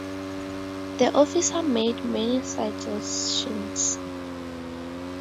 The officer made many suggestions.